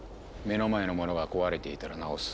目の前のものが壊れていたらなおす。